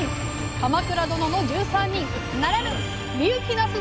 「鎌倉殿の１３人」ならぬ「『深雪なす』殿の１４人」。